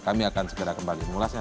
kami akan segera kembali mengulasnya